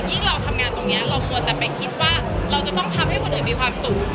เราทำงานตรงนี้เราควรจะไปคิดว่าเราจะต้องทำให้คนอื่นมีความสุข